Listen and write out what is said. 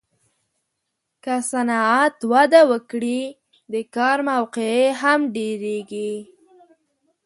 که صنعت وده وکړي، د کار موقعې هم ډېرېږي.